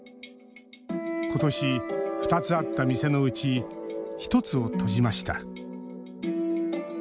ことし、２つあった店のうち１つを閉じました。